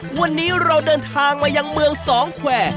วันนี้เราเดินทางมายังเมืองสองแควร์